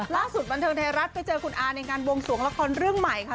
ล่าสุดบันเทิงไทยรัฐไปเจอคุณอาในงานวงสวงละครเรื่องใหม่ค่ะ